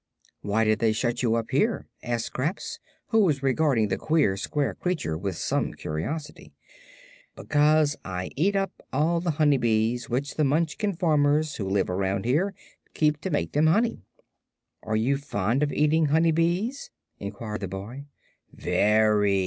"Why did they shut you up here?" asked Scraps, who was regarding the queer, square creature with much curiosity. "Because I eat up all the honey bees which the Munchkin farmers who live around here keep to make them honey." "Are you fond of eating honey bees?" inquired the boy. "Very.